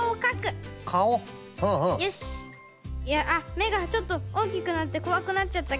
めがちょっとおおきくなってこわくなっちゃったけど。